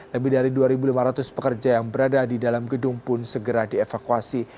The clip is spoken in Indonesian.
lebih dari dua lima ratus pekerja yang berada di dalam gedung pun segera dievakuasi